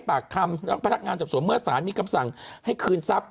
ปากคำพนักงานสอบสวนเมื่อสารมีคำสั่งให้คืนทรัพย